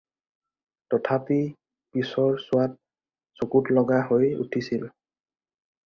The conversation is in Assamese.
তথাপি পিছৰ ছোৱাত চকুত লগা হৈ উঠিছিল।